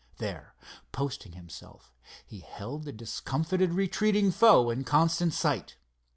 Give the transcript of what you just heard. There posting himself, he held the discomfited retreating foe in constant sight.